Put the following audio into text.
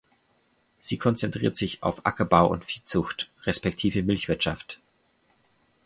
Sie konzentriert sich auf Ackerbau und Viehzucht respektive Milchwirtschaft.